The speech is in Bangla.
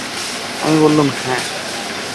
আমি বললুম, হাঁ।